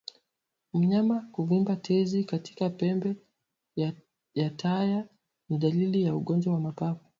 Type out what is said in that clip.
Mnyama kuvimba tezi katika pembe ya taya ni dalili ya ugonjwa wa mapafu